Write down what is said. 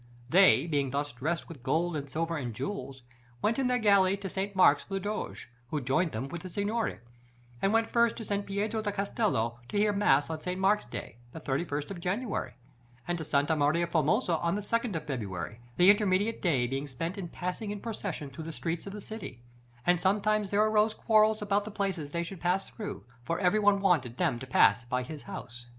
They, being thus dressed with gold, and silver, and jewels, went in their galley to St. Mark's for the Doge, who joined them with the Signory, and went first to San Pietro di Castello to hear mass on St. Mark's day, the 31st of January, and to Santa Maria Formosa on the 2nd of February, the intermediate day being spent in passing in procession through the streets of the city; "and sometimes there arose quarrels about the places they should pass through, for every one wanted them to pass by his house."